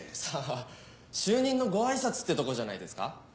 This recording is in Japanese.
さあ就任のご挨拶ってとこじゃないですか。